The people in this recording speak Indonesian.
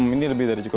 ini lebih dari cukup